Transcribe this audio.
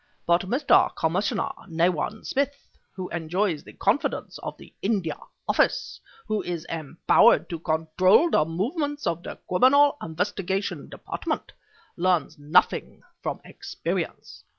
But Mr. Commissioner Nayland Smith, who enjoys the confidence of the India Office, and who is empowered to control the movements of the Criminal Investigation Department, learns nothing from experience.